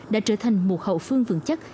đã trở thành một hậu phương vững chắc